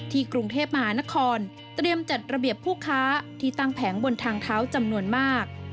กรุงเทพมหานครเตรียมจัดระเบียบผู้ค้าที่ตั้งแผงบนทางเท้าจำนวนมาก